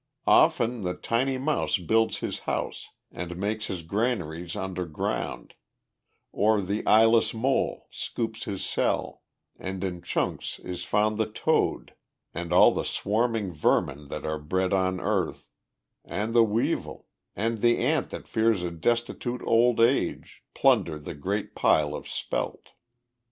Often the tiny mouse builds his house and makes his granaries underground, or the eyeless mole scoops his cell; and in chinks is found the toad, and all the swarming vermin that are bred in earth; and the weevil, and the ant that fears a destitute old age, plunder the great pile of spelt_."